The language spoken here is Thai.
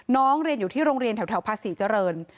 น้องเรียนอยู่ที่โรงเรียนแถวพระศรีเจริญ